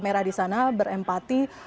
merah di sana berempati